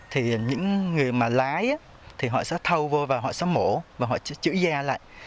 thì những người mà lái thì họ sẽ thâu vô và họ sẽ mổ và họ chữ da lại